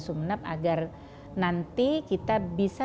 sumeneb agar nanti kita bisa